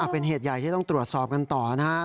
เป็นเหตุใหญ่ที่ต้องตรวจสอบกันต่อนะฮะ